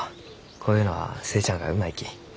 こういうのは寿恵ちゃんがうまいき。